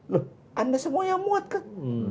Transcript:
loh anda semua yang muat kan